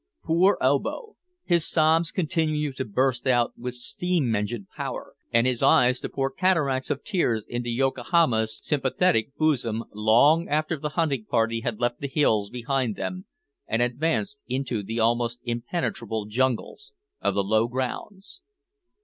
Poor Obo! his sobs continued to burst out with steam engine power, and his eyes to pour cataracts of tears into Yohama's sympathetic bosom, long after the hunting party had left the hills behind them, and advanced into the almost impenetrable jungles of the low grounds.